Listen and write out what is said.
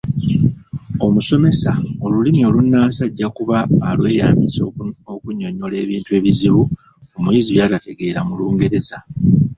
Omusomesa, olulimi olunnansi ajja kuba alweyambisa okunnyonnyola ebintu ebizibu omuyizi by'atategera mu Lungereza.